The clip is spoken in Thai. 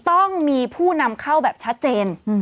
ต้องมีผู้นำเข้าแบบชัดเจน